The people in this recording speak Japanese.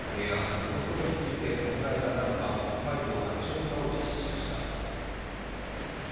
このことについて問題がないか、北海道が調査を実施しました。